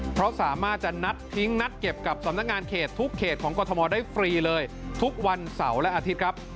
เพราะสามารถจะนัดทิ้งนัดเก็บกับสำนักงานเขตทุกเขตของกรทมได้ฟรีเลยทุกวันเสาร์และอาทิตย์ครับ